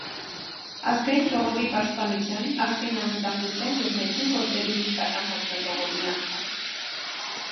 Ազգային ժողովի պաշտպանության, ազգային անվտանգության և ներքին գործերի մշտական հանձնաժողովի անդամ։